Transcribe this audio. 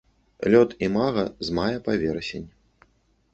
Лёт імага з мая па верасень.